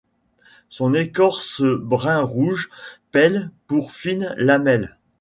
Son écorce brun-rouge pèle par fines lamelles.